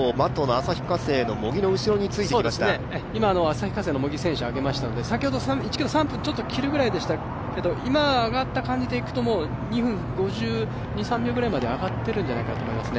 旭化成の茂木がペースを上げましたから１ｋｍ３分ちょっと切るくらいでしたけと、今上がった感じでいくと２分５２５３秒ぐらいまで上がっているんじゃないかと思いますね。